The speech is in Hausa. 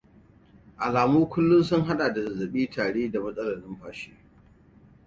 Alamun kullum sun hada da zazzabi, tari, da matsalar numfashi.